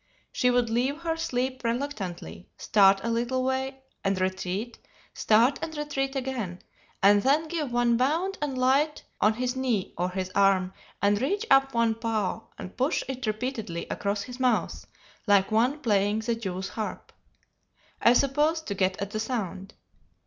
She would leave her sleep reluctantly, start a little way, and retreat, start and retreat again, and then give one bound and light on his knee or his arm and reach up one paw and push it repeatedly across his mouth like one playing the jew's harp; I suppose to get at the sound.